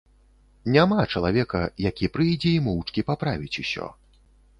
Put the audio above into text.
Няма чалавека, які прыйдзе і моўчкі паправіць ўсё.